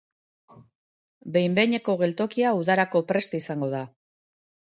Behin behineko geltokia udarako prest izango da.